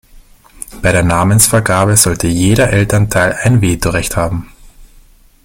Bei der Namensvergabe sollte jeder Elternteil ein Veto-Recht haben.